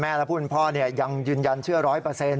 และผู้เป็นพ่อยังยืนยันเชื่อร้อยเปอร์เซ็นต